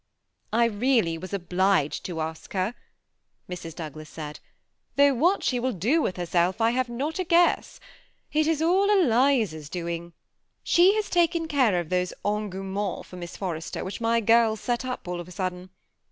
*<I really was obUged to ask her," Mrs. Douglas said ;^' though what she will do with herself I have not a guess. It is all Eliza's doing. She has taken one of those engauements for Miss Forrester, which my girls THE SEMI ATTACHED COUPLE. 233 set up all of a sudden.